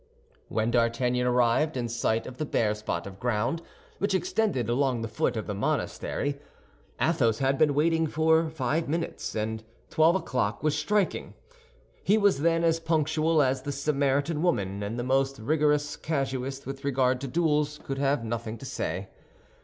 When D'Artagnan arrived in sight of the bare spot of ground which extended along the foot of the monastery, Athos had been waiting about five minutes, and twelve o'clock was striking. He was, then, as punctual as the Samaritan woman, and the most rigorous casuist with regard to duels could have nothing to say.